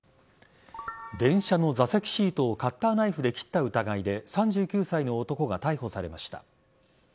電車の座席シートをカッターナイフで切った疑いで３９歳の男が逮捕されました。